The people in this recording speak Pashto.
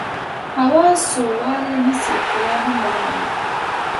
هوا سوړوالی نیسي خو لاهم نرمه وي